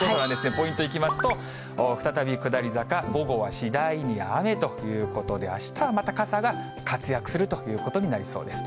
ポイントいきますと、再び下り坂、午後は次第に雨ということで、あしたはまた傘が活躍するということになりそうです。